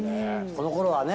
このころはね